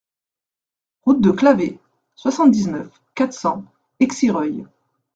Route de Clavé, soixante-dix-neuf, quatre cents Exireuil